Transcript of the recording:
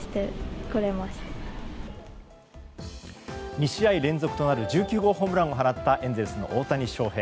２試合連続となる１９号ホームランを放ったエンゼルスの大谷翔平。